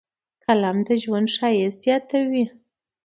قلم د ژوند ښایست زیاتوي